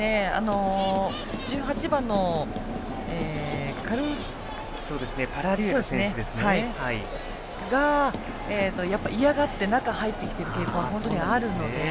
１８番のパラリュエロ選手が嫌がって、中に入ってくる傾向が本当にあるので。